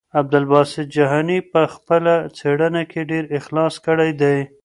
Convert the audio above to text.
عبدالباسط جهاني په خپله څېړنه کې ډېر اخلاص کړی دی.